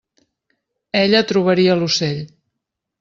Ella trobaria l'ocell.